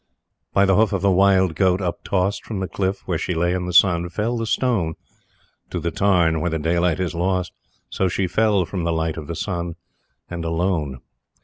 By the hoof of the Wild Goat up tossed From the Cliff where She lay in the Sun, Fell the Stone To the Tarn where the daylight is lost; So She fell from the light of the Sun, And alone.